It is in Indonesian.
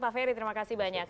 pak ferry terima kasih banyak